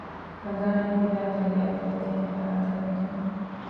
ހަނދާނީފިލާ ތައްޔާރު ކޮށްދޭނެ ފަރާތެއް ހޯދުމަށް